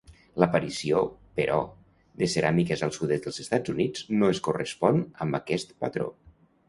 L'aparició, però, de ceràmiques al sud-est dels Estats Units no es correspon amb aquest patró.